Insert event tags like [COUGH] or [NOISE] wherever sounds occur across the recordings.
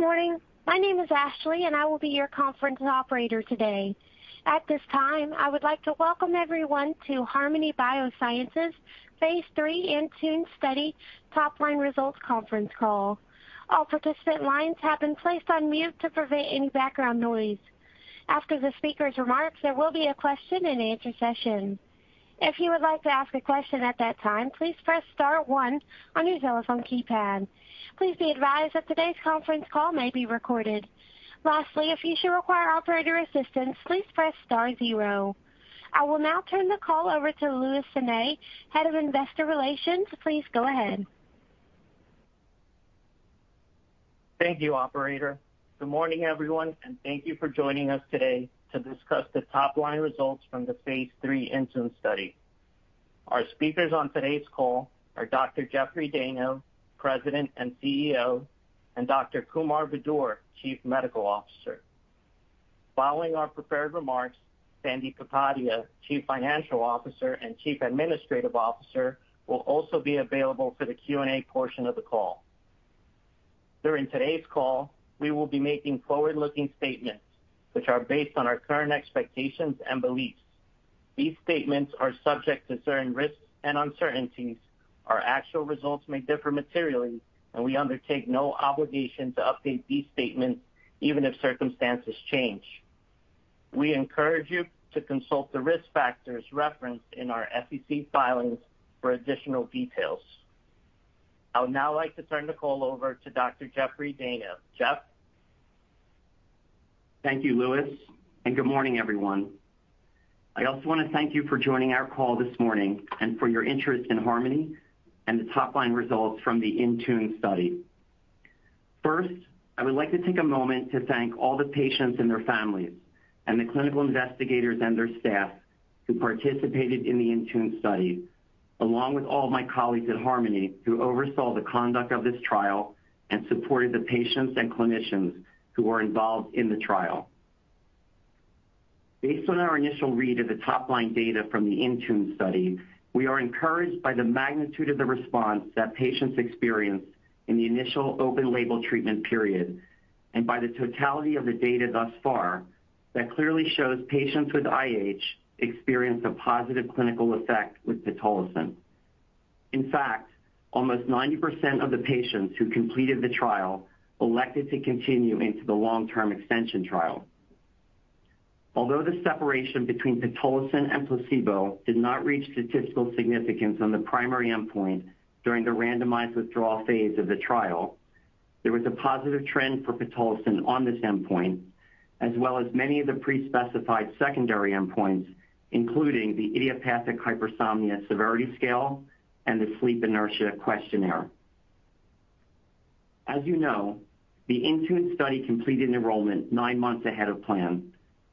Good morning. My name is Ashley, and I will be your conference operator today. At this time, I would like to welcome everyone to Harmony Biosciences Phase III IN TUNE Study Top Line Results conference call. All participant lines have been placed on mute to prevent any background noise. After the speaker's remarks, there will be a question and answer session. If you would like to ask a question at that time, please press star one on your telephone keypad. Please be advised that today's conference call may be recorded. Lastly, if you should require operator assistance, please press star zero. I will now turn the call over to Luis Sanay, Head of Investor Relations. Please go ahead. Thank you, operator. Good morning, everyone, and thank you for joining us today to discuss the top line results from the Phase III IN TUNE Study. Our speakers on today's call are Dr. Jeffrey Dayno, President and CEO, and Dr. Kumar Budur, Chief Medical Officer. Following our prepared remarks, Sandip Kapadia, Chief Financial Officer and Chief Administrative Officer, will also be available for the Q&A portion of the call. During today's call, we will be making forward-looking statements which are based on our current expectations and beliefs. These statements are subject to certain risks and uncertainties. Our actual results may differ materially, and we undertake no obligation to update these statements even if circumstances change. We encourage you to consult the risk factors referenced in our SEC filings for additional details. I would now like to turn the call over to Dr. Jeffrey Dayno. Jeff? Thank you, Luis, and good morning, everyone. I also want to thank you for joining our call this morning and for your interest in Harmony and the top-line results from the IN TUNE Study. First, I would like to take a moment to thank all the patients and their families and the clinical investigators and their staff who participated in the IN TUNE Study, along with all my colleagues at Harmony, who oversaw the conduct of this trial and supported the patients and clinicians who were involved in the trial. Based on our initial read of the top-line data from the IN TUNE Study, we are encouraged by the magnitude of the response that patients experienced in the initial open label treatment period and by the totality of the data thus far, that clearly shows patients with IH experienced a positive clinical effect with pitolisant. In fact, almost 90% of the patients who completed the trial elected to continue into the long-term extension trial. Although the separation between pitolisant and placebo did not reach statistical significance on the primary endpoint during the randomized withdrawal phase of the trial, there was a positive trend for pitolisant on this endpoint, as well as many of the pre-specified secondary endpoints, including the Idiopathic Hypersomnia Severity Scale and the Sleep Inertia Questionnaire. As you know, the IN TUNE Study completed enrollment nine months ahead of plan,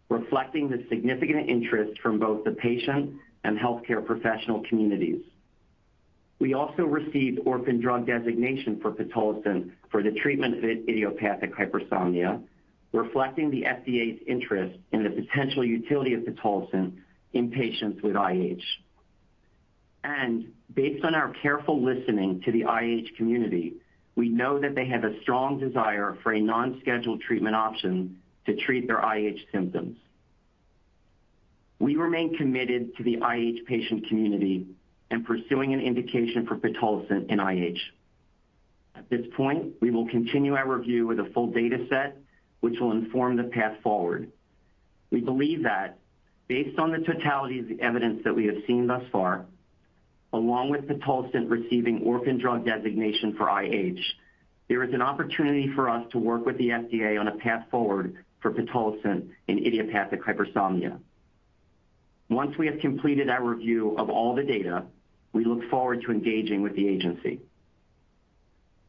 reflecting the significant interest from both the patient and healthcare professional communities. We also received orphan drug designation for pitolisant for the treatment of idiopathic hypersomnia, reflecting the FDA's interest in the potential utility of pitolisant in patients with IH. Based on our careful listening to the IH community, we know that they have a strong desire for a non-scheduled treatment option to treat their IH symptoms. We remain committed to the IH patient community and pursuing an indication for pitolisant in IH. At this point, we will continue our review of the full dataset, which will inform the path forward. We believe that based on the totality of the evidence that we have seen thus far, along with pitolisant receiving orphan drug designation for IH, there is an opportunity for us to work with the FDA on a path forward for pitolisant in idiopathic hypersomnia. Once we have completed our review of all the data, we look forward to engaging with the agency.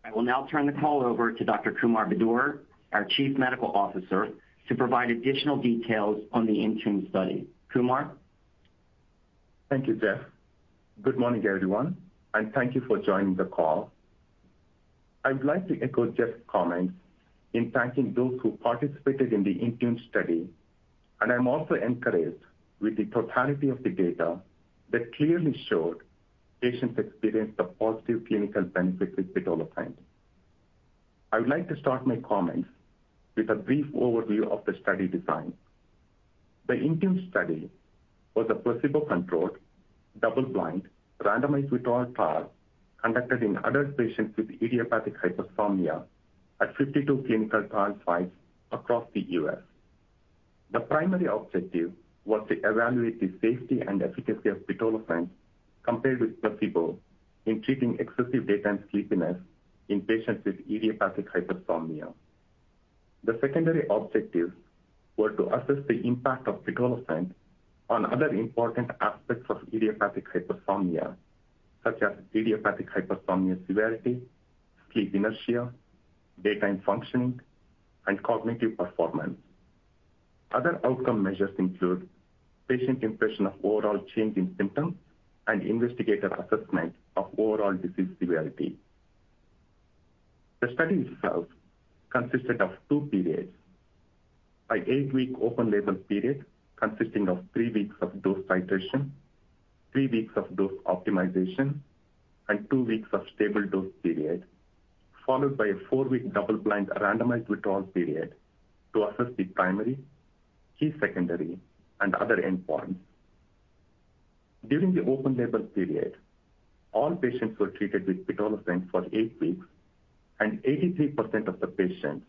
I will now turn the call over to Dr. Kumar Budur, our Chief Medical Officer, to provide additional details on the IN TUNE Study. Kumar? Thank you, Jeff. Good morning, everyone, and thank you for joining the call. I'd like to echo Jeff's comments in thanking those who participated in the IN TUNE Study, and I'm also encouraged with the totality of the data that clearly showed patients experienced a positive clinical benefit with pitolisant. I would like to start my comments with a brief overview of the study design. The IN TUNE Study was a placebo-controlled, double-blind, randomized, withdrawal trial conducted in adult patients with idiopathic hypersomnia at 52 clinical trial sites across the U.S. The primary objective was to evaluate the safety and efficacy of pitolisant compared with placebo in treating excessive daytime sleepiness in patients with idiopathic hypersomnia. The secondary objectives were to assess the impact of pitolisant on other important aspects of idiopathic hypersomnia, such as idiopathic hypersomnia severity, sleep inertia, daytime functioning, and cognitive performance. Other outcome measures include patient impression of overall change in symptoms and investigator assessment of overall disease severity. The study itself consisted of two periods. An eight-week open-label period consisting of three weeks of dose titration, three weeks of dose optimization, and two weeks of stable dose period, followed by a four-week double-blind randomized withdrawal period to assess the primary, key secondary, and other endpoints. During the open-label period, all patients were treated with pitolisant for eight weeks, and 83% of the patients,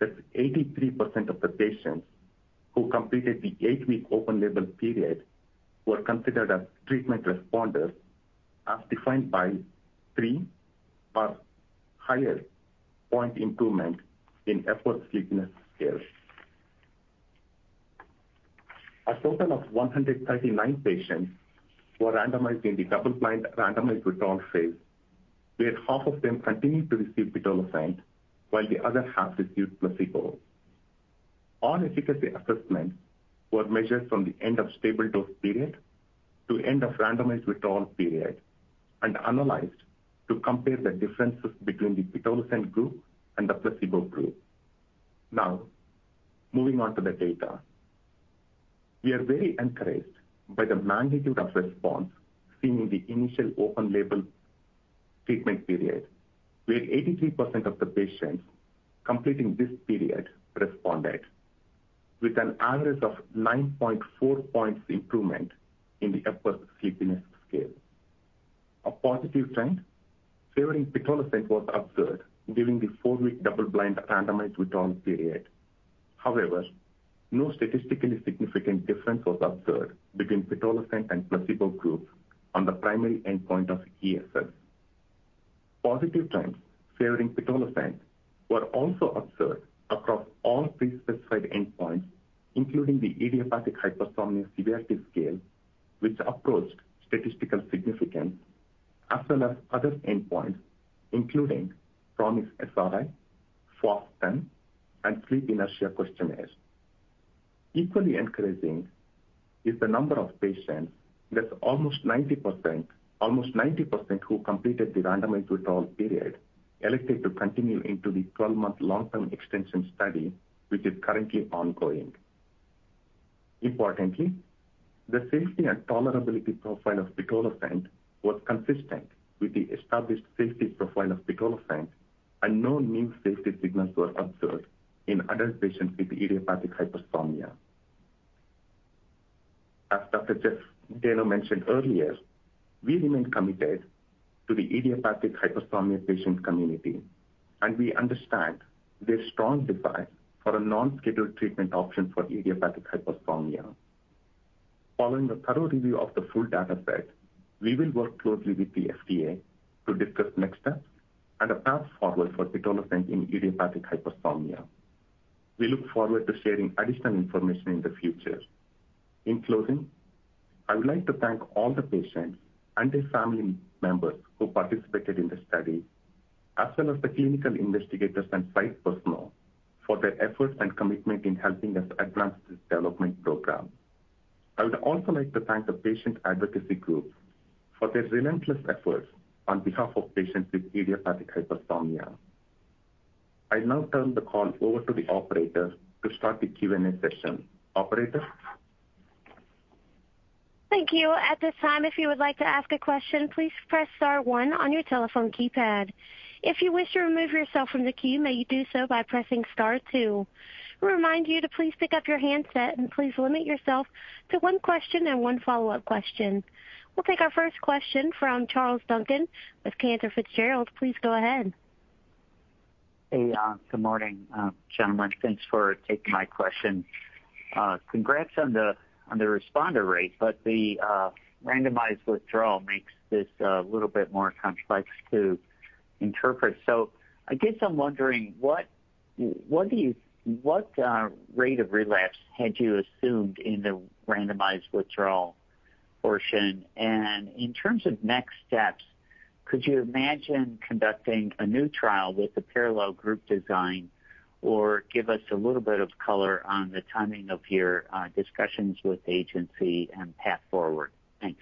that's 83% of the patients who completed the eight-week open-label period, were considered as treatment responders, as defined by three or higher point improvement in Epworth Sleepiness Scale. A total of 139 patients were randomized in the double-blind randomized withdrawal phase, where half of them continued to receive pitolisant, while the other half received placebo. All efficacy assessments were measured from the end of stable dose period to end of randomized withdrawal period and analyzed to compare the differences between the pitolisant group and the placebo group. Now, moving on to the data. We are very encouraged by the magnitude of response seen in the initial open label treatment period, where 83% of the patients completing this period responded with an average of 9.4 points improvement in the Epworth Sleepiness Scale. A positive trend favoring pitolisant was observed during the 4-week double-blind randomized withdrawal period. However, no statistically significant difference was observed between pitolisant and placebo group on the primary endpoint of ESS. Positive trends favoring pitolisant were also observed across all pre-specified endpoints, including the Idiopathic Hypersomnia Severity Scale, which approached statistical significance, as well as other endpoints, including PROMIS-SRI, FOSQ-10, and Sleep Inertia questionnaires. Equally encouraging is the number of patients, that's almost 90%, almost 90% who completed the randomized withdrawal period, elected to continue into the 12-month long-term extension study, which is currently ongoing. Importantly, the safety and tolerability profile of pitolisant was consistent with the established safety profile of pitolisant, and no new safety signals were observed in adult patients with idiopathic hypersomnia. As Dr. Jeffrey Dayno mentioned earlier, we remain committed to the idiopathic hypersomnia patient community, and we understand their strong desire for a non-scheduled treatment option for idiopathic hypersomnia. Following a thorough review of the full data set, we will work closely with the FDA to discuss next steps and a path forward for pitolisant in idiopathic hypersomnia. We look forward to sharing additional information in the future. In closing, I would like to thank all the patients and their family members who participated in the study, as well as the clinical investigators and site personnel for their efforts and commitment in helping us advance this development program. I would also like to thank the patient advocacy group for their relentless efforts on behalf of patients with idiopathic hypersomnia. I now turn the call over to the operator to start the Q&A session. Operator? Thank you. At this time, if you would like to ask a question, please press star one on your telephone keypad. If you wish to remove yourself from the queue, may you do so by pressing star two. We remind you to please pick up your handset and please limit yourself to one question and one follow-up question. We'll take our first question from Charles Duncan with Cantor Fitzgerald. Please go ahead. Hey, good morning, gentlemen. Thanks for taking my question. Congrats on the responder rate, but the randomized withdrawal makes this a little bit more complex to interpret. So I guess I'm wondering, what rate of relapse had you assumed in the randomized withdrawal portion? And in terms of next steps, could you imagine conducting a new trial with a parallel group design, or give us a little bit of color on the timing of your discussions with the agency and path forward? Thanks.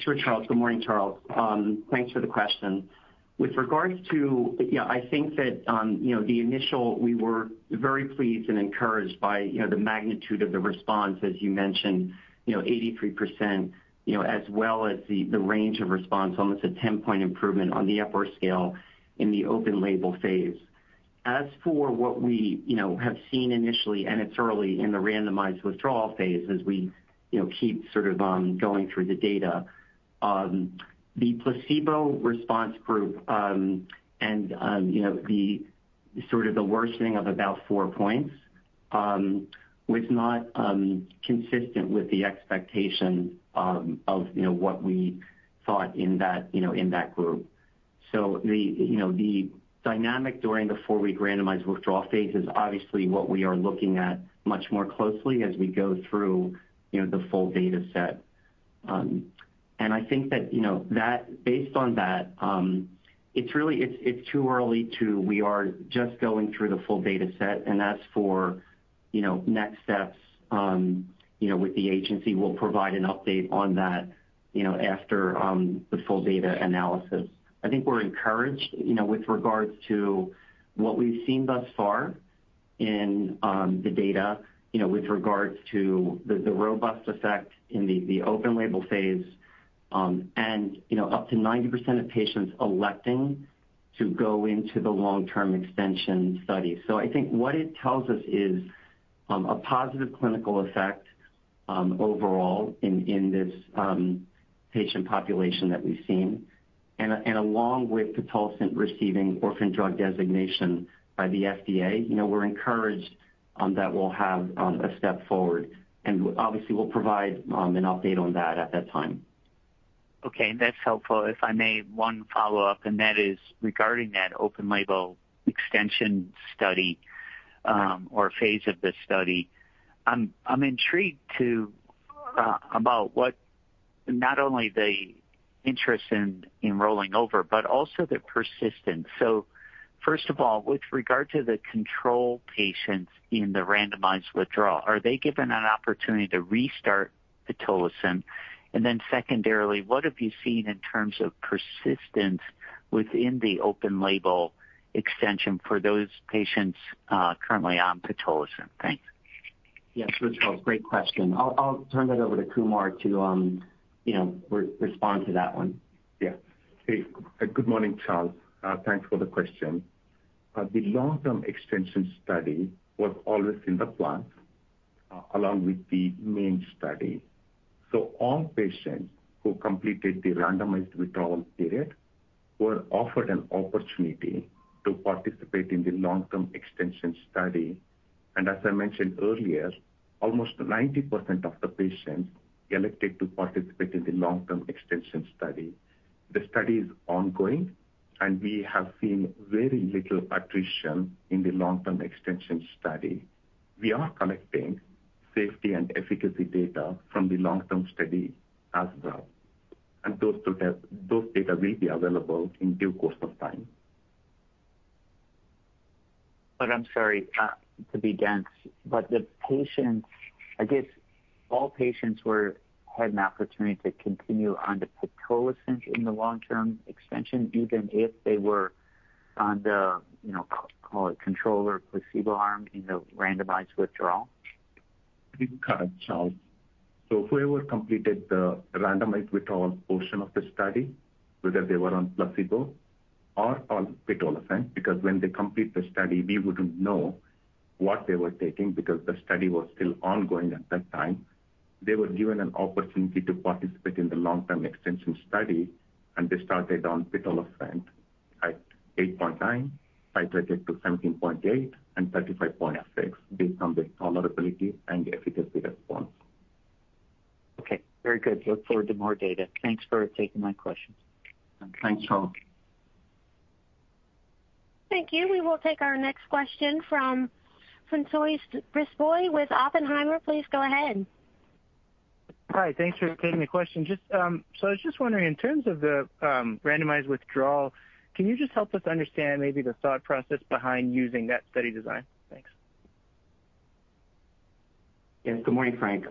Sure, Charles. Good morning, Charles. Thanks for the question. With regards to... Yeah, I think that, you know, the initial, we were very pleased and encouraged by, you know, the magnitude of the response, as you mentioned, you know, 83%, you know, as well as the, the range of response, almost a 10-point improvement on the Epworth Scale in the open label phase. As for what we, you know, have seen initially, and it's early in the randomized withdrawal phase as we, you know, keep sort of, going through the data, the placebo response group, and, you know, the sort of the worsening of about four points, was not, consistent with the expectation, of, you know, what we thought in that, you know, in that group. So the, you know, the dynamic during the four-week randomized withdrawal phase is obviously what we are looking at much more closely as we go through, you know, the full data set. And I think that, you know, that—based on that, it's really, it's, it's too early to... We are just going through the full data set, and as for... you know, next steps, you know, with the agency, we'll provide an update on that, you know, after the full data analysis. I think we're encouraged, you know, with regards to what we've seen thus far in the data, you know, with regards to the, the robust effect in the, the open label phase, and, you know, up to 90% of patients electing to go into the long-term extension study. So I think what it tells us is a positive clinical effect overall in this patient population that we've seen. And along with pitolisant receiving Orphan Drug Designation by the FDA, you know, we're encouraged that we'll have a step forward, and obviously, we'll provide an update on that at that time. Okay, that's helpful. If I may, one follow-up, and that is regarding that open label extension study. Phase of the study. I'm intrigued to, about what, not only the interest in rolling over, but also the persistence. First of all, with regard to the control patients in the randomized withdrawal, are they given an opportunity to restart pitolisant? Secondarily, what have you seen in terms of persistence within the open label extension for those patients currently on pitolisant? Thanks. Yes, Charles, great question. I'll turn that over to Kumar to, you know, respond to that one. Yeah. Hey, good morning, Charles. Thanks for the question. The long-term extension study was always in the plan, along with the main study. So all patients who completed the randomized withdrawal period were offered an opportunity to participate in the long-term extension study. And as I mentioned earlier, almost 90% of the patients elected to participate in the long-term extension study. The study is ongoing, and we have seen very little attrition in the long-term extension study. We are collecting safety and efficacy data from the long-term study as well, and those data will be available in due course of time. I'm sorry to be dense, but the patients, I guess all patients were, had an opportunity to continue on the pitolisant in the long-term extension, even if they were on the, you know, call it control or placebo arm in the randomized withdrawal? Correct, Charles. So whoever completed the randomized withdrawal portion of the study, whether they were on placebo or on pitolisant, because when they complete the study, we wouldn't know what they were taking because the study was still ongoing at that time. They were given an opportunity to participate in the long-term extension study, and they started on pitolisant at 8.9, titrated to 17.8, and 35.6, based on the tolerability and the efficacy response. Okay, very good. Look forward to more data. Thanks for taking my questions. Thanks, Charles. Thank you. We will take our next question from François Brisebois with Oppenheimer. Please go ahead. Hi. Thanks for taking the question. Just, so I was just wondering, in terms of the randomized withdrawal, can you just help us understand maybe the thought process behind using that study design? Thanks. Yes, good morning, Frank.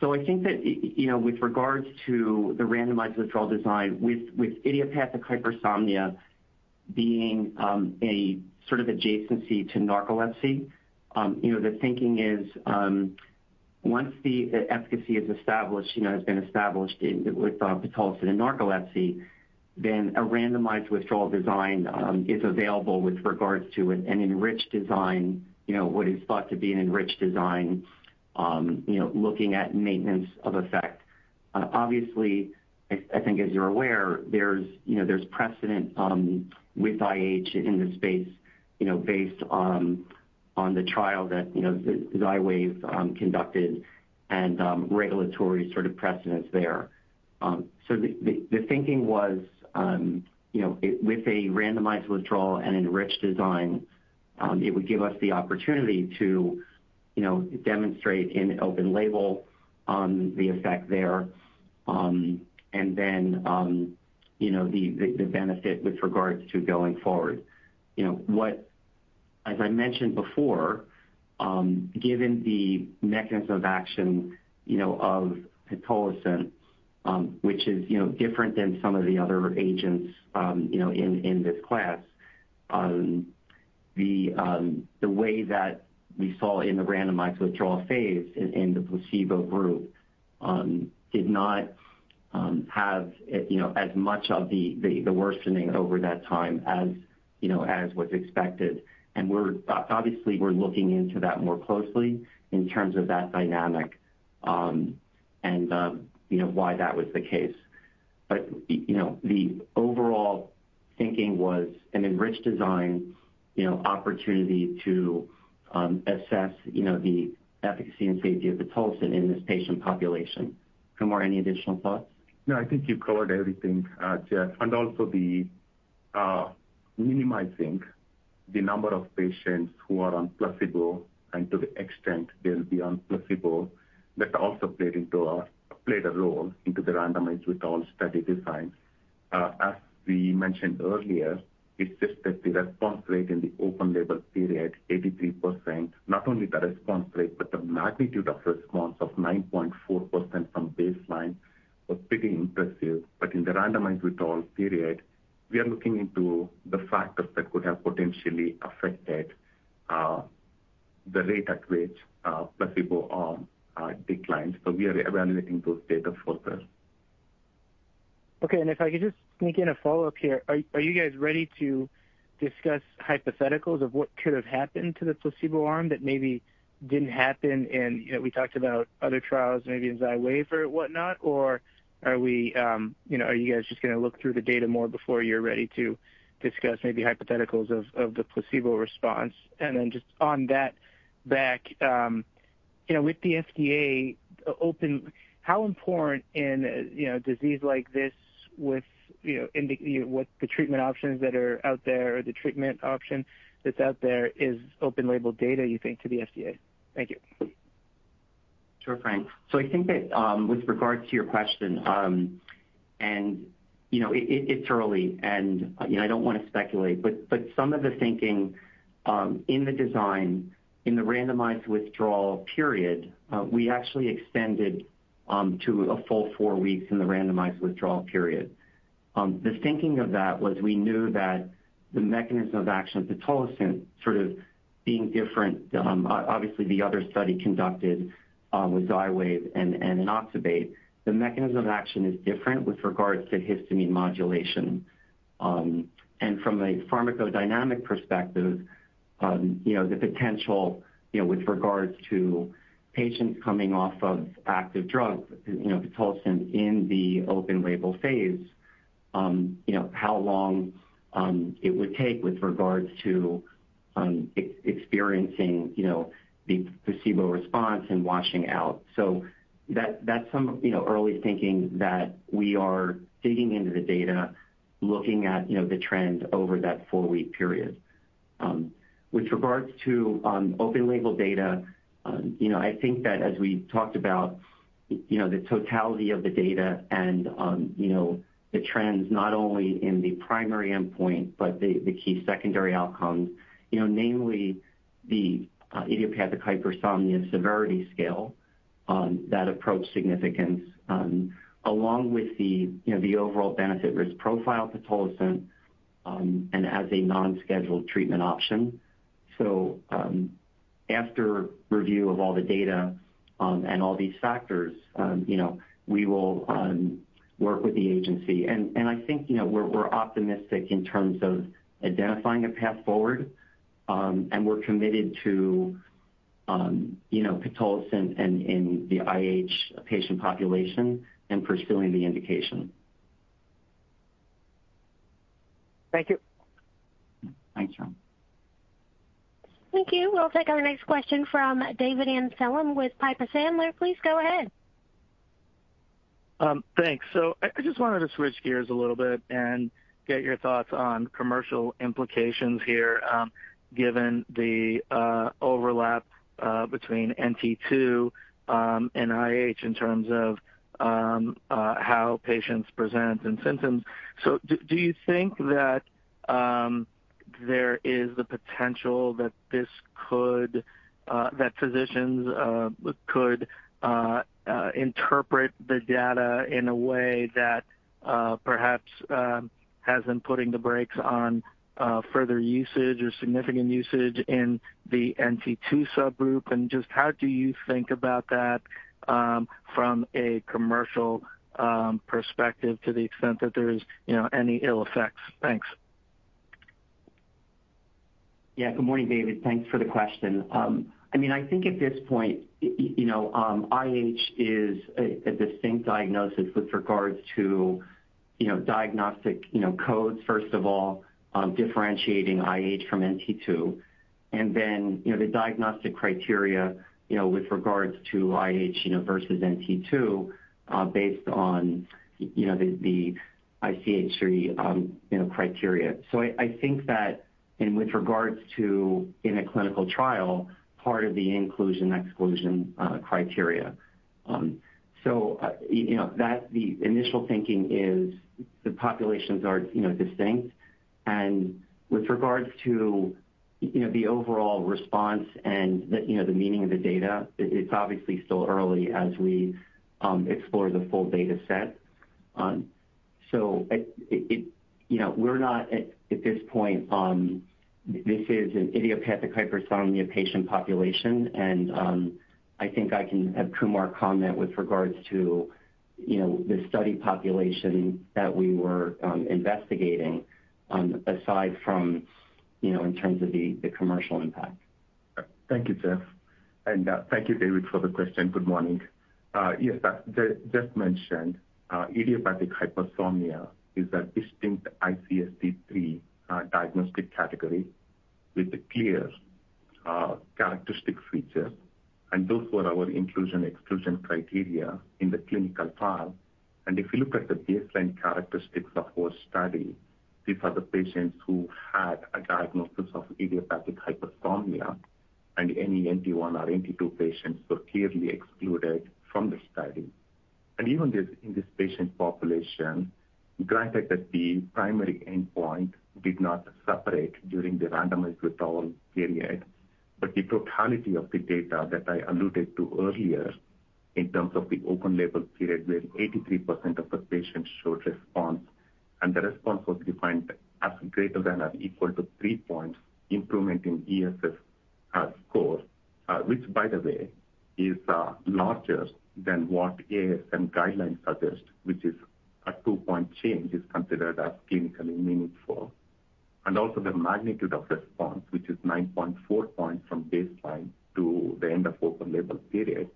So I think that, you know, with regards to the randomized withdrawal design, with idiopathic hypersomnia being a sort of adjacency to narcolepsy, you know, the thinking is, once the efficacy is established, you know, has been established in, with pitolisant and narcolepsy, then a randomized withdrawal design is available with regards to an enriched design, you know, what is thought to be an enriched design, you know, looking at maintenance of effect. Obviously, I think as you're aware, there's, you know, there's precedent with IH in this space, you know, based on, on the trial that, you know, Xywav conducted and regulatory sort of precedence there. The thinking was, you know, with a randomized withdrawal and enriched design, it would give us the opportunity to, you know, demonstrate in open label the effect there, and then, you know, the benefit with regards to going forward. You know, what... As I mentioned before, given the mechanism of action, you know, of pitolisant, which is, you know, different than some of the other agents, you know, in this class, the way that we saw in the randomized withdrawal phase in the placebo group did not have, you know, as much of the worsening over that time as, you know, as was expected. And we're, obviously, we're looking into that more closely in terms of that dynamic, and, you know, why that was the case. But, you know, the overall thinking was an enriched design, you know, opportunity to assess, you know, the efficacy and safety of pitolisant in this patient population. Kumar, any additional thoughts? No, I think you covered everything, Jeff. And also, the minimizing the number of patients who are on placebo, and to the extent they'll be on placebo, that also played a role into the randomized withdrawal study design. As we mentioned earlier, it's just that the response rate in the open label period, 83%, not only the response rate, but the magnitude of response of 9.4% from baseline was pretty impressive. But in the randomized withdrawal period, we are looking into the factors that could have potentially affected the rate at which placebo declines. So we are evaluating those data further. Okay. If I could just sneak in a follow-up here. Are you guys ready to discuss hypotheticals of what could have happened to the placebo arm that maybe didn't happen? You know, we talked about other trials, maybe in Xywav or whatnot. Are you guys just going to look through the data more before you're ready to discuss maybe hypotheticals of the placebo response? Just on that back, you know, with the FDA open, how important in a disease like this with, you know, with the treatment options that are out there or the treatment option that's out there, is open label data, you think, to the FDA? Thank you. Sure, Frank. I think that, with regards to your question, you know, it's early and I don't want to speculate, but some of the thinking in the design, in the randomized withdrawal period, we actually extended to a full four weeks in the randomized withdrawal period. The thinking of that was we knew that the mechanism of action, pitolisant, sort of being different, obviously the other study conducted with Xywav and Nitazoxanide, the mechanism of action is different with regards to histamine modulation. And from a pharmacodynamic perspective, you know, the potential, you know, with regards to patients coming off of active drugs, you know, pitolisant in the open label phase, you know, how long, it would take with regards to, experiencing, you know, the placebo response and washing out. So that, that's some, you know, early thinking that we are digging into the data, looking at, you know, the trends over that four-week period. With regards to open label data, you know, I think that as we talked about, you know, the totality of the data and, you know, the trends not only in the primary endpoint but the, the key secondary outcomes, you know, namely the idiopathic hypersomnia severity scale that approach significance, along with the, you know, the overall benefit-risk profile pitolisant and as a non-scheduled treatment option. So, after review of all the data and all these factors, you know, we will work with the agency. And, and I think, you know, we're, we're optimistic in terms of identifying a path forward, and we're committed to, you know, pitolisant in, in the IH patient population and pursuing the indication. Thank you. Thanks, Frank. Thank you. We'll take our next question from David Amsellem with Piper Sandler. Please go ahead. Thanks. So I just wanted to switch gears a little bit and get your thoughts on commercial implications here, given the overlap between NT2 and IH in terms of how patients present and symptoms. So do you think that there is the potential that this could that physicians could interpret the data in a way that perhaps has them putting the brakes on further usage or significant usage in the NT2 subgroup? And just how do you think about that from a commercial perspective to the extent that there is, you know, any ill effects? Thanks. Yeah. Good morning, David. Thanks for the question. I mean, I think at this point, you know, IH is a distinct diagnosis with regards to, you know, diagnostic, you know, codes, first of all, differentiating IH from NT2, and then, you know, the diagnostic criteria, you know, with regards to IH, you know, versus NT2, based on, you know, the ICSD-3, you know, criteria. So I think that and with regards to, in a clinical trial, part of the inclusion, exclusion criteria. So, you know, that the initial thinking is the populations are, you know, distinct. And with regards to, you know, the overall response and the, you know, the meaning of the data, it's obviously still early as we explore the full data set. So, you know, we're not at this point. This is an idiopathic hypersomnia patient population, and I think I can have Kumar comment with regards to, you know, the study population that we were investigating, aside from, you know, in terms of the commercial impact. Thank you, Jeff. Thank you, David, for the question. Good morning. Yes, Jeff mentioned idiopathic hypersomnia is a distinct ICSD-3 diagnostic category with a clear characteristic feature, and those were our inclusion, exclusion criteria in the clinical trial. If you look at the baseline characteristics of our study, these are the patients who had a diagnosis of idiopathic hypersomnia, and any NT1 or NT2 patients were clearly excluded from the study. Even in this patient population, granted that the primary endpoint did not separate during the randomized withdrawal period, the totality of the data that I alluded to earlier in terms of the open label period, where 83% of the patients showed response, and the response was defined as greater than or equal to three points improvement in ESS score. Which, by the way, is larger than what ASM guidelines suggest, which is a two-point change, is considered clinically meaningful. Also the magnitude of response, which is 9.4 points from baseline to the end of open-label period,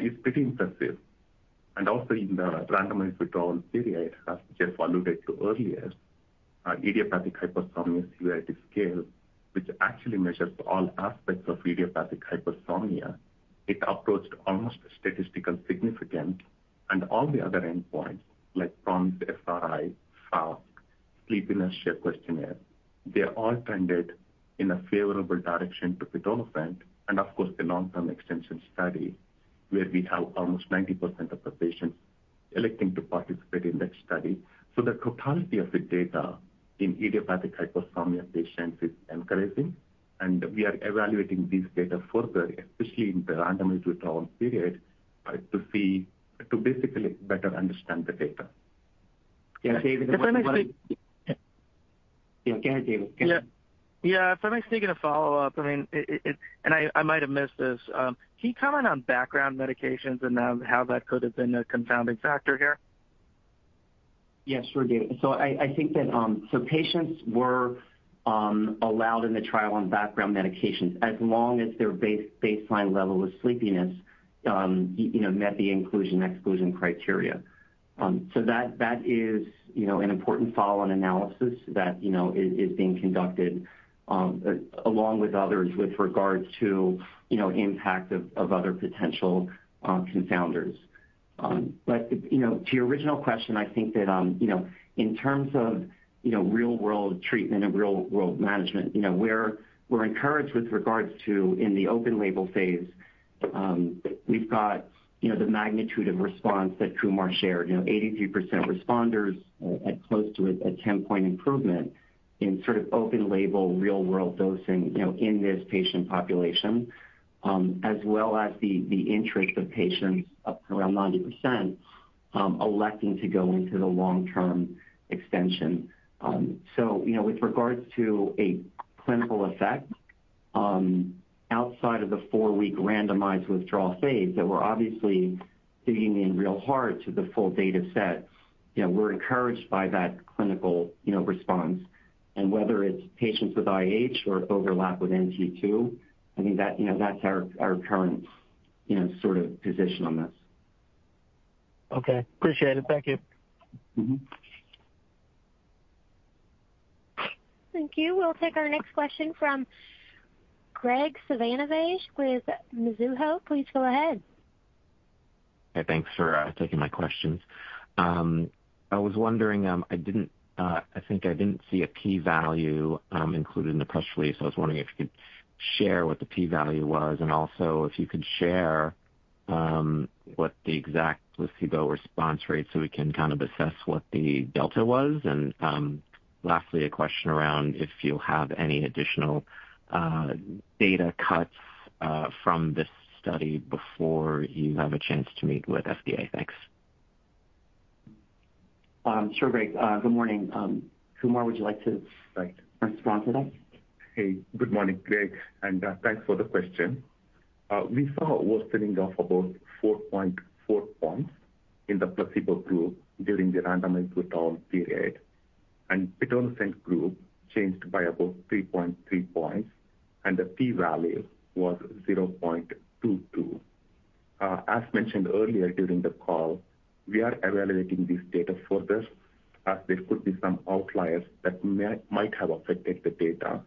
is pretty impressive. Also in the randomized withdrawal period, as Jeff alluded to earlier, Idiopathic Hypersomnia Severity Scale, which actually measures all aspects of idiopathic hypersomnia. It approached almost statistical significance, and all the other endpoints, like PROMIS, FRI, FOSS, Sleep Inertia Questionnaire, they all trended in a favorable direction to pitolisant, and of course, the long-term extension study, where we have almost 90% of the patients electing to participate in that study. The totality of the data in idiopathic hypersomnia patients is encouraging, and we are evaluating this data further, especially in the randomized withdrawal period, to see, to basically better understand the data. Yeah, [CROSSTALK] David. Yeah, go ahead, David. Yeah. Yeah, if I may sneak in a follow-up. I mean, and I might have missed this. Can you comment on background medications and how that could have been a confounding factor here? Yes, sure, David. So I think that patients were allowed in the trial on background medications as long as their baseline level of sleepiness you know met the inclusion/exclusion criteria. So that is you know an important follow-on analysis that you know is being conducted along with others with regards to you know impact of other potential confounders. You know, to your original question, I think that, you know, in terms of, you know, real-world treatment and real-world management, you know, we're encouraged with regards to in the open label phase. We've got, you know, the magnitude of response that Kumar shared, you know, 83% responders at close to a 10-point improvement in sort of open label, real-world dosing, you know, in this patient population, as well as the intrigue of patients up around 90% electing to go into the long-term extension. You know, with regards to a clinical effect outside of the four-week randomized withdrawal phase that we're obviously digging in real hard to the full data set. You know, we're encouraged by that clinical, you know, response. Whether it's patients with IH or overlap with NT2, I think that, you know, that's our current, you know, sort of position on this. Okay. Appreciate it. Thank you. Thank you. We'll take our next question from Greg Suvannavejh with Mizuho. Please go ahead. Hey, thanks for taking my questions. I was wondering, I didn't, I think I didn't see a p-value included in the press release. I was wondering if you could share what the p-value was, and also if you could share what the exact placebo response rate, so we can kind of assess what the delta was. And, lastly, a question around if you have any additional data cuts from this study before you have a chance to meet with FDA. Thanks. Sure, Greg. Good morning. Kumar, would you like to- Right. Respond to that? Hey, good morning, Greg, and thanks for the question. We saw worsening of about 4.4 points in the placebo group during the randomized withdrawal period, and pitolisant group changed by about 3.3 points, and the p-value was 0.22. As mentioned earlier during the call, we are evaluating this data further, as there could be some outliers that might have affected the data.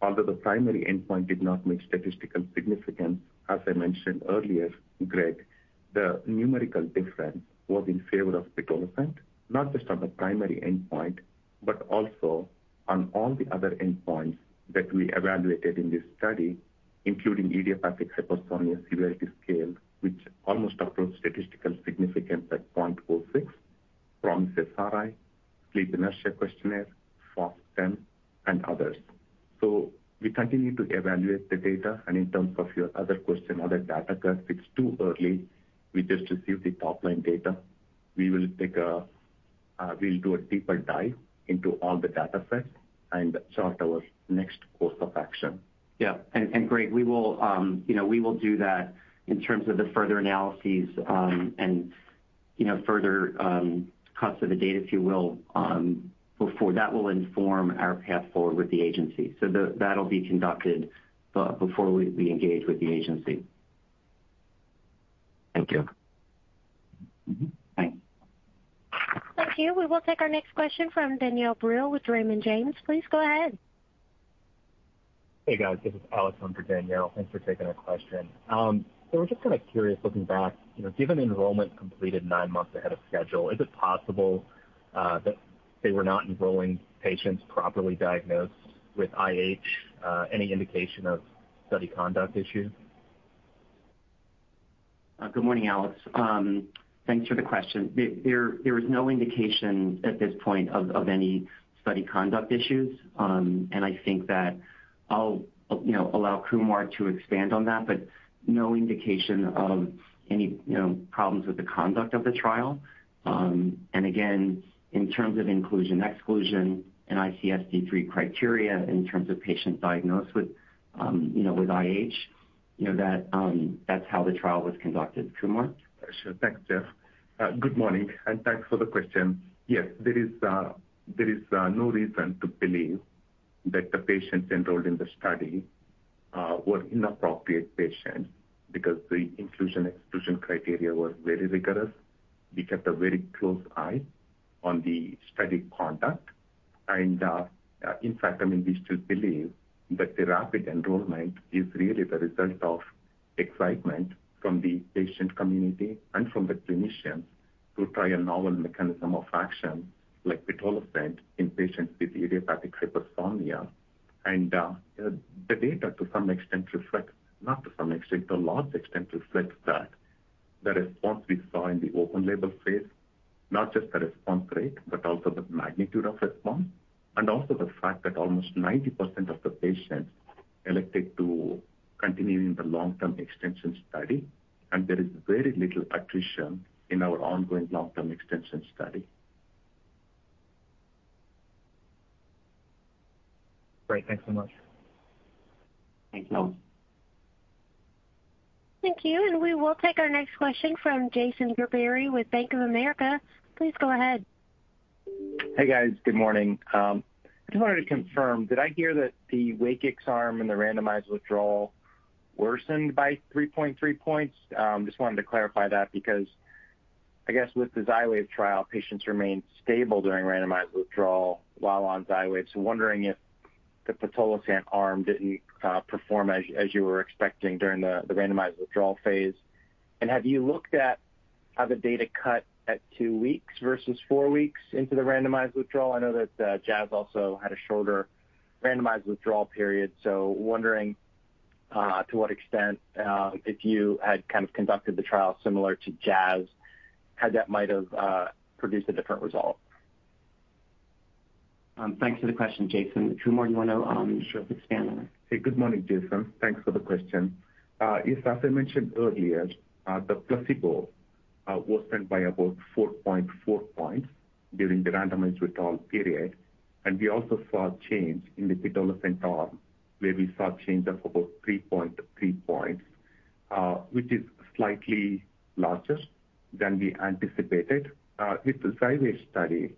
Although the primary endpoint did not make statistical significance, as I mentioned earlier, Greg, the numerical difference was in favor of pitolisant, not just on the primary endpoint, but also on all the other endpoints that we evaluated in this study, including Idiopathic Hypersomnia Severity Scale, which almost approached statistical significance at 0.06 from SRI, Sleep Inertia Questionnaire, FOSS-10, and others. So we continue to evaluate the data, and in terms of your other question, other data cuts, it's too early. We just received the top-line data. We'll do a deeper dive into all the data sets and chart our next course of action. Yeah. And Greg, we will, you know, we will do that in terms of the further analyses, and, you know, further cuts of the data, if you will, before. That will inform our path forward with the agency. So that'll be conducted before we engage with the agency. Thank you. Thank you. We will take our next question from Danielle Brill with Raymond James. Please go ahead. Hey, guys, this is Alex under Danielle. Thanks for taking our question. So we're just kind of curious, looking back, you know, given enrollment completed nine months ahead of schedule, is it possible that they were not enrolling patients properly diagnosed with IH? Any indication of study conduct issue? Good morning, Alex. Thanks for the question. There is no indication at this point of any study conduct issues. And I think that I'll, you know, allow Kumar to expand on that, but no indication of any, you know, problems with the conduct of the trial. And again, in terms of inclusion, exclusion and ICSD-3 criteria, in terms of patient diagnosed with, you know, with IH, you know, that's how the trial was conducted. Kumar? Sure. Thanks, Jeff. Good morning, and thanks for the question. Yes, there is no reason to believe that the patients enrolled in the study were inappropriate patients because the inclusion, exclusion criteria were very rigorous. We kept a very close eye on the study conduct. And, in fact, I mean, we still believe that the rapid enrollment is really the result of excitement from the patient community and from the clinicians to try a novel mechanism of action, like pitolisant, in patients with idiopathic hypersomnia. And, the data, to some extent, reflects, not to some extent, to a large extent, reflects that the response we saw in the open label phase, not just the response rate, but also the magnitude of response, and also the fact that almost 90% of the patients elected to continue in the long-term extension study. There is very little attrition in our ongoing long-term extension study. Great. Thanks so much. Thanks, Alex. Thank you. We will take our next question from Jason Gerberry with Bank of America. Please go ahead. Hey, guys. Good morning. Just wanted to confirm, did I hear that the WAKIX arm and the randomized withdrawal worsened by 3.3 points? Just wanted to clarify that because I guess with the Xywav trial, patients remained stable during randomized withdrawal while on Xywav. So wondering if the pitolisant arm didn't perform as you were expecting during the randomized withdrawal phase. And have you looked at how the data cut at two weeks versus four weeks into the randomized withdrawal? I know that Jazz also had a shorter randomized withdrawal period, so wondering to what extent if you had kind of conducted the trial similar to Jazz, how that might have produced a different result. Thanks for the question, Jason. Kumar, you want to, sure, expand on it? Hey, good morning, Jason. Thanks for the question. Yes, as I mentioned earlier, the placebo worsened by about 4.4 points during the randomized withdrawal period, and we also saw a change in the pitolisant arm, where we saw a change of about 3.3 points, which is slightly larger than we anticipated. With the Xywav study,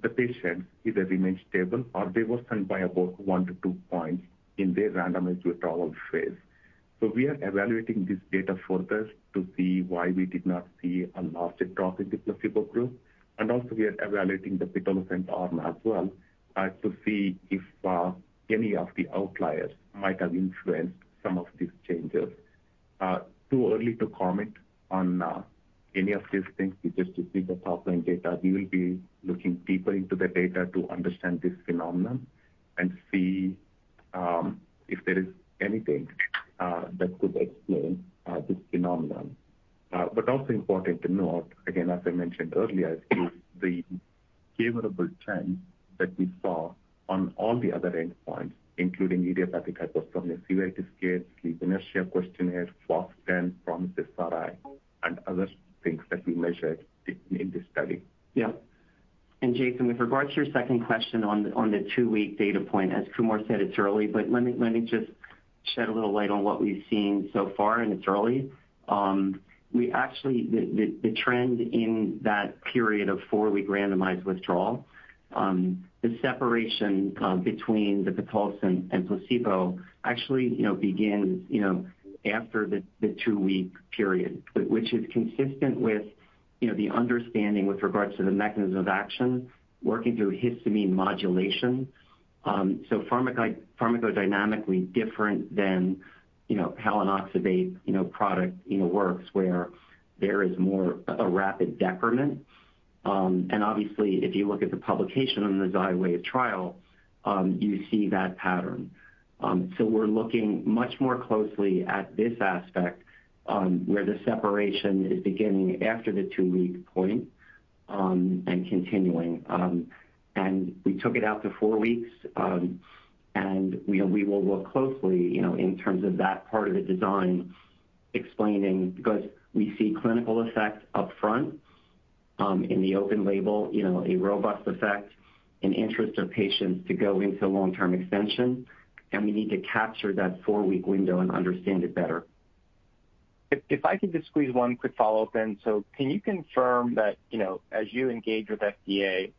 the patients either remained stable or they worsened by about 1-2 points in their randomized withdrawal phase. So we are evaluating this data further to see why we did not see a larger drop in the placebo group. And also, we are evaluating the pitolisant arm as well, to see if any of the outliers might have influenced some of these changes. Too early to comment on any of these things. It's just to see the top-line data. We will be looking deeper into the data to understand this phenomenon and see if there is anything that could explain this phenomenon. But also important to note, again, as I mentioned earlier, is the favorable trend that we saw on all the other endpoints, including idiopathic hypersomnia severity scale, sleep inertia questionnaire, FOSS-10, PROMIS-SRI and other things that we measured in this study. Yeah. And Jason, with regards to your second question on the two-week data point, as Kumar said, it's early, but let me just shed a little light on what we've seen so far, and it's early. We actually... The trend in that period of four-week randomized withdrawal, the separation between the pitolisant and placebo actually, you know, begins, you know, after the two-week period. Which is consistent with, you know, the understanding with regards to the mechanism of action, working through histamine modulation. So pharmacodynamically different than, you know, how an oxybate, you know, product, you know, works, where there is more a rapid decrement. And obviously, if you look at the publication on the Xywav trial, you see that pattern. So we're looking much more closely at this aspect, where the separation is beginning after the two-week point, and continuing. And we took it out to four weeks, and, you know, we will look closely, you know, in terms of that part of the design, explaining. Because we see clinical effect upfront, in the open label, you know, a robust effect, an interest of patients to go into long-term extension, and we need to capture that four-week window and understand it better. If I could just squeeze one quick follow-up then. So can you confirm that, you know, as you engage with FDA,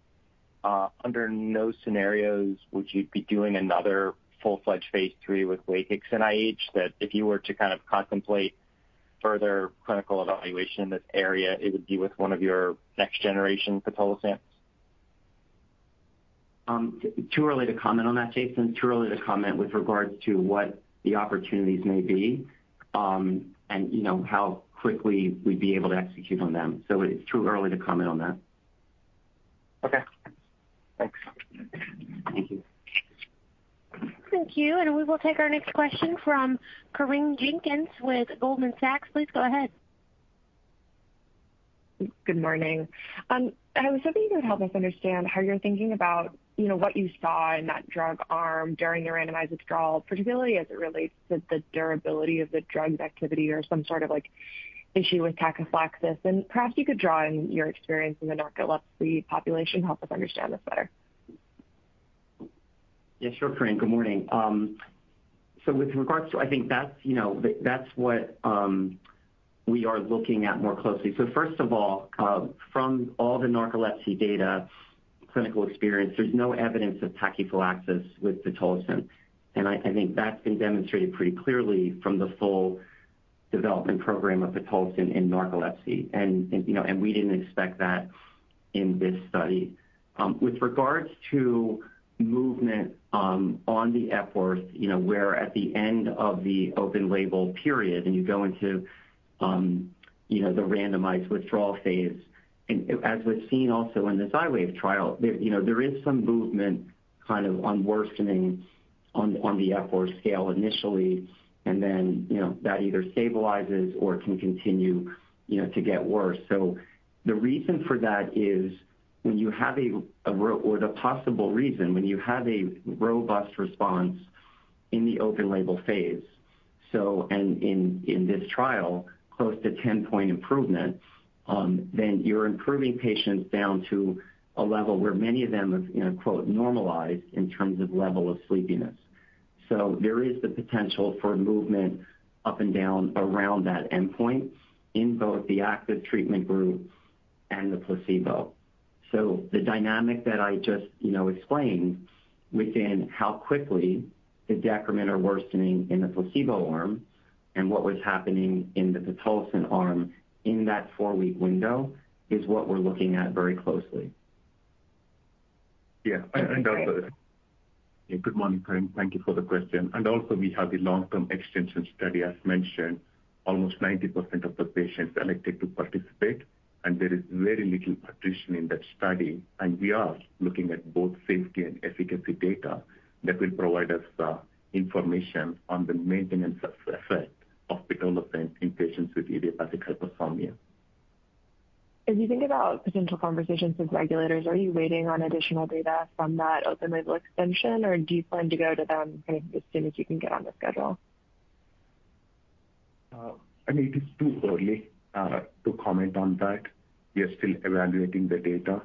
under no scenarios, would you be doing another full-fledged phase III with WAKIX and IH? That if you were to kind of contemplate-... further clinical evaluation in this area, it would be with one of your next generation pitolisants? Too early to comment on that, Jason. Too early to comment with regards to what the opportunities may be, and you know, how quickly we'd be able to execute on them, so it's too early to comment on that. Okay. Thanks. Thank you. Thank you. We will take our next question from Corinne Jenkins with Goldman Sachs. Please go ahead. Good morning. I was hoping you could help us understand how you're thinking about, you know, what you saw in that drug arm during the randomized withdrawal, particularly as it relates to the durability of the drug's activity or some sort of, like, issue with tachyphylaxis. Perhaps you could draw on your experience in the narcolepsy population to help us understand this better. Yeah, sure, Corinne. Good morning. So with regards to, that's what we are looking at more closely. So first of all, from all the narcolepsy data clinical experience, there's no evidence of tachyphylaxis with pitolisant. And I, I think that's been demonstrated pretty clearly from the full development program of pitolisant in narcolepsy. And, and, you know, and we didn't expect that in this study. With regards to movement, on the ESS score, you know, where at the end of the open label period, and you go into, you know, the randomized withdrawal phase. And as we've seen also in the Xywav trial, there, you know, there is some movement kind of on worsening on, on the ESS score scale initially, and then, you know, that either stabilizes or can continue, you know, to get worse. The reason for that is when you have a robust response in the open label phase, and in this trial, close to 10-point improvement, then you're improving patients down to a level where many of them is, you know, quote, normalized in terms of level of sleepiness. There is the potential for movement up and down around that endpoint in both the active treatment group and the placebo. The dynamic that I just, you know, explained within how quickly the decrement or worsening in the placebo arm and what was happening in the pitolisant arm in that four-week window is what we're looking at very closely. Yeah, and also- Good morning, Corinne. Thank you for the question. Also we have the long-term extension study. As mentioned, almost 90% of the patients elected to participate, and there is very little attrition in that study, and we are looking at both safety and efficacy data that will provide us information on the maintenance of effect of pitolisant in patients with idiopathic hypersomnia. As you think about potential conversations with regulators, are you waiting on additional data from that open label extension, or do you plan to go to them kind of as soon as you can get on the schedule? I mean, it is too early to comment on that. We are still evaluating the data.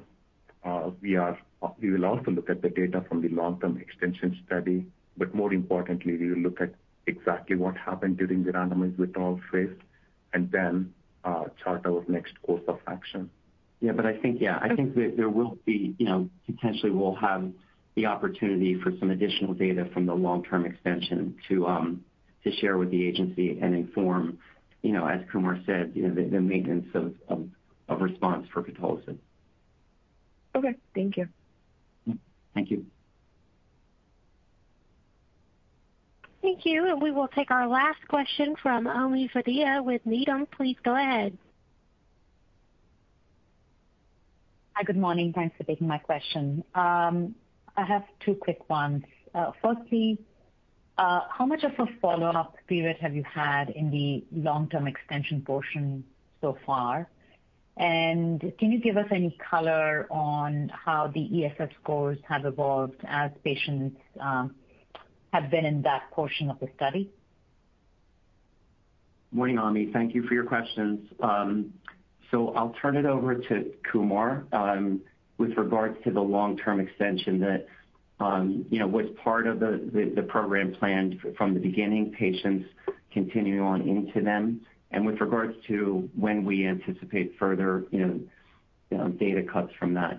We will also look at the data from the long-term extension study, but more importantly, we will look at exactly what happened during the randomized withdrawal phase and then chart our next course of action. Yeah, but I think, yeah, I think that there will be, you know, potentially we'll have the opportunity for some additional data from the long-term extension to share with the agency and inform, you know, as Kumar said, you know, the maintenance of response for pitolisant. Okay. Thank you. Mm-hmm. Thank you. Thank you. We will take our last question from Ami Fadia with Needham. Please go ahead. Hi, good morning. Thanks for taking my question. I have two quick ones. Firstly, how much of a follow-up period have you had in the long-term extension portion so far? And can you give us any color on how the ESS scores have evolved as patients have been in that portion of the study? Morning, Ami. Thank you for your questions. So I'll turn it over to Kumar with regards to the long-term extension that, you know, was part of the program plan from the beginning, patients continuing on into them, and with regards to when we anticipate further, you know, data cuts from that.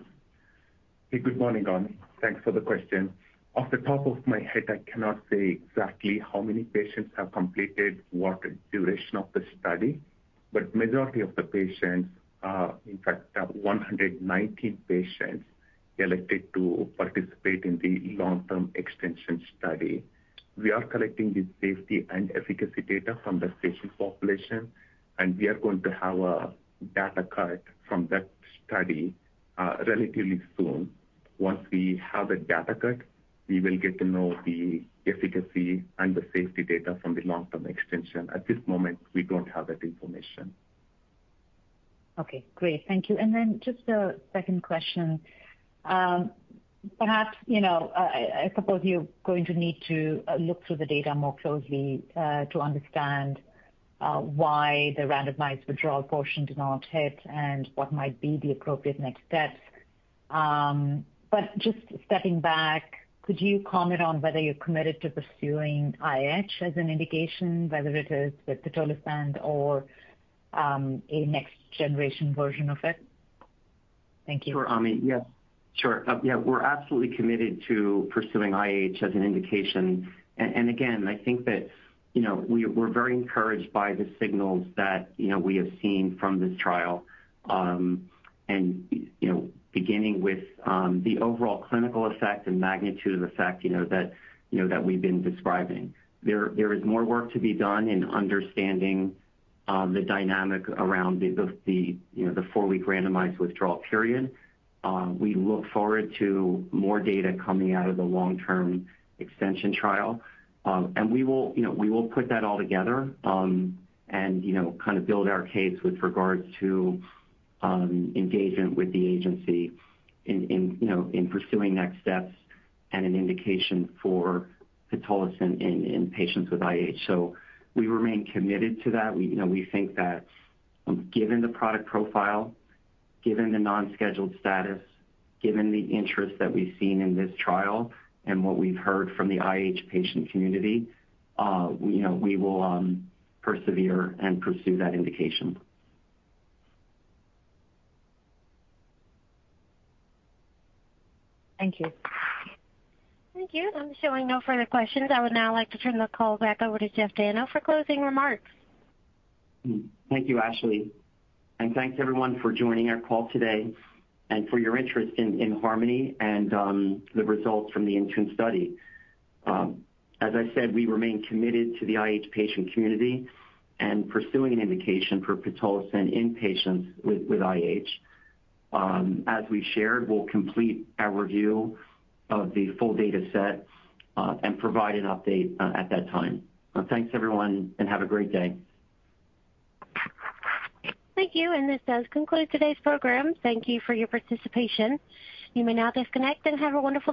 Hey, good morning, Ami. Thanks for the question. Off the top of my head, I cannot say exactly how many patients have completed what duration of the study, but majority of the patients are, in fact, 119 patients elected to participate in the long-term extension study. We are collecting the safety and efficacy data from the patient population, and we are going to have a data cut from that study relatively soon. Once we have a data cut, we will get to know the efficacy and the safety data from the long-term extension. At this moment, we don't have that information. Okay, great. Thank you. And then just a second question. Perhaps, you know, I, I suppose you're going to need to look through the data more closely to understand why the randomized withdrawal portion did not hit and what might be the appropriate next steps. But just stepping back, could you comment on whether you're committed to pursuing IH as an indication, whether it is with pitolisant or a next generation version of it? Sure, Ami. Yes, sure. Yeah, we're absolutely committed to pursuing IH as an indication. And again, I think that, you know, we're very encouraged by the signals that, you know, we have seen from this trial. And, you know, beginning with the overall clinical effect and magnitude of effect, you know, that we've been describing. There is more work to be done in understanding the dynamic around the, you know, the 4-week randomized withdrawal period. We look forward to more data coming out of the long-term extension trial. And we will, you know, we will put that all together, and, you know, kind of build our case with regards to engagement with the agency in, you know, in pursuing next steps and an indication for pitolisant in patients with IH. So we remain committed to that. We, you know, we think that given the product profile, given the non-scheduled status, given the interest that we've seen in this trial and what we've heard from the IH patient community, you know, we will persevere and pursue that indication. Thank you. Thank you. I'm showing no further questions. I would now like to turn the call back over to Jeff Dayno for closing remarks. Thank you, Ashley, and thanks, everyone, for joining our call today and for your interest in Harmony and the results from the IN TUNE study. As I said, we remain committed to the IH patient community and pursuing an indication for pitolisant in patients with IH. As we've shared, we'll complete our review of the full data set and provide an update at that time. Thanks, everyone, and have a great day. Thank you, and this does conclude today's program. Thank you for your participation. You may now disconnect and have a wonderful day.